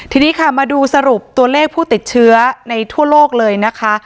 ทีนี้ค่ะมาดูสรุปตัวเลขผู้ติดเชื้อในทั่วโลกเลยนะคะ